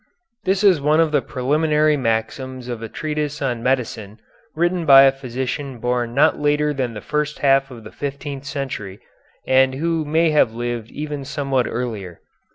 This is one of the preliminary maxims of a treatise on medicine written by a physician born not later than the first half of the fifteenth century, and who may have lived even somewhat earlier.